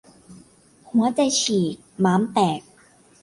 หัวใจฉีก-ม้ามแตก